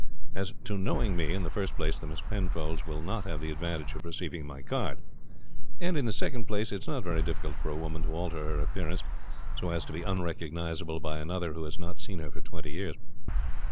As to knowing me, in the first place the Miss Penfolds will not have the advantage of receiving my card, and, in the second place, it is not very difficult for a woman to alter her appearance so as to be unrecognizable by another who has not seen her for twenty years.